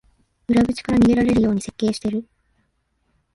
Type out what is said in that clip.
裏口から逃げられるように設計してる